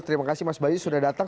terima kasih mas bayu sudah datang